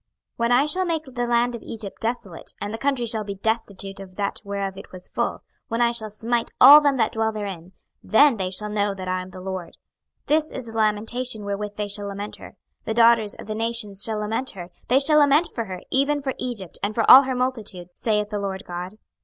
26:032:015 When I shall make the land of Egypt desolate, and the country shall be destitute of that whereof it was full, when I shall smite all them that dwell therein, then shall they know that I am the LORD. 26:032:016 This is the lamentation wherewith they shall lament her: the daughters of the nations shall lament her: they shall lament for her, even for Egypt, and for all her multitude, saith the Lord GOD.